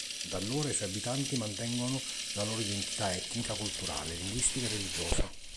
Da allora i suoi abitanti mantengono la loro identità etnica culturale, linguistica e religiosa.